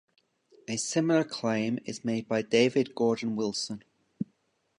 A similar claim is made by David Gordon Wilson.